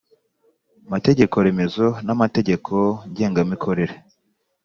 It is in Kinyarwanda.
mategeko remezo n amategeko ngengamikorere